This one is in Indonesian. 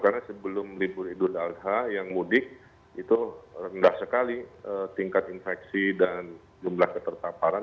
karena sebelum libur idul adha yang mudik itu rendah sekali tingkat infeksi dan jumlah ketertaparan